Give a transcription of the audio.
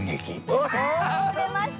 お出ました！